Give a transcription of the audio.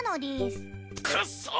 くっそー！